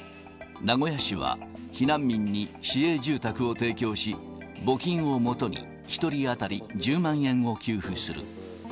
名古屋市は避難民に市営住宅を提供し、募金をもとに、１人当たり１０万円を給付する。